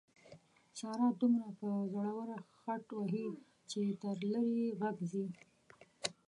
ساره دومره په زوره خټ وهي چې تر لرې یې غږ ځي.